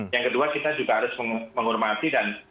yang kedua kita juga harus menghormati dan